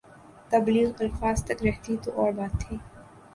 تبلیغ الفاظ تک رہتی تو اور بات تھی۔